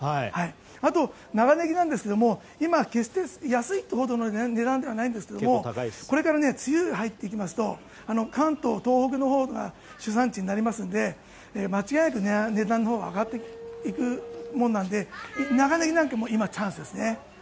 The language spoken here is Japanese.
あとは長ネギですが今、決して安いというほどの値段ではありませんがこれから梅雨に入ってきますと関東、東北のほうが主産地になりますので間違いなく値段のほうが上がっていくものなので長ネギなんかもチャンスですね。